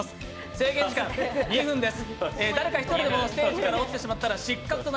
制限時間２分です。